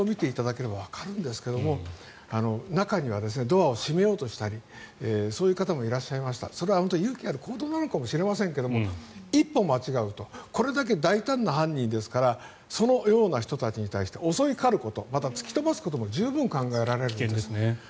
ただ、実際にこの映像を見ていただければわかると思うんですが中にはドアを閉めようとしたりそういう方もいらっしゃいましたそれは勇気のある行動なのかもしれませんが一歩間違うとこれだけ大胆な犯人ですからそのような人たちに襲いかかること突き飛ばすことも考えられます。